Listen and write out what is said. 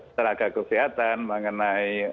tenaga kesehatan mengenai